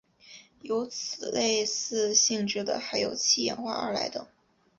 有此类似性质的还有七氧化二铼等。